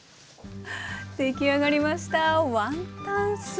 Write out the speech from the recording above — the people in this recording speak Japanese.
出来上がりました！